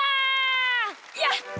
やった！